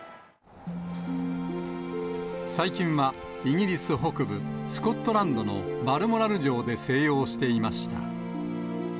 最近は、イギリス北部スコットランドのバルモラル城で静養していました。